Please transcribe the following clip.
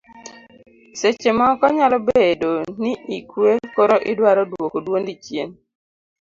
seche moko nyalo bedo ni ikwe koro idwaro duoko duondi chien